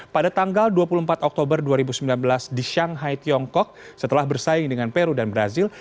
pada tanggal dua puluh empat oktober dua ribu sembilan belas di shanghai tiongkok setelah bersaing dengan peru dan brazil